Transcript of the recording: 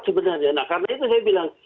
sebenarnya nah karena itu saya bilang